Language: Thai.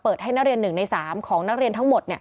ให้นักเรียน๑ใน๓ของนักเรียนทั้งหมด